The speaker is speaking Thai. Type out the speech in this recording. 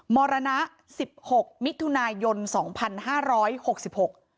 มรณะสิบหกมิถุนายนสองพันห้าร้อยหกสิบหก